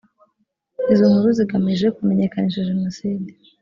izo nkuru zigamije kumenyekanisha jenoside.